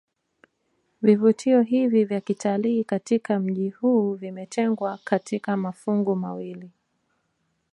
Vivutio hivi vya kitalii katika mji huu vimetengwa katika mafungu mawili